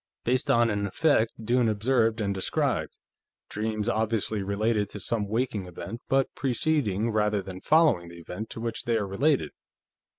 Based on an effect Dunne observed and described dreams obviously related to some waking event, but preceding rather than following the event to which they are related.